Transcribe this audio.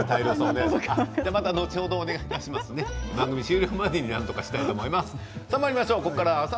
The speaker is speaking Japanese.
番組終了までになんとかしたいと思います。